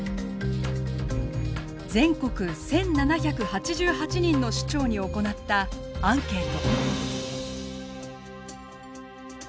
全国１，７８８人の首長に行ったアンケート。